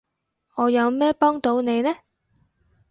我有咩幫到你呢？